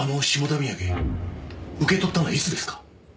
土産受け取ったのはいつですか？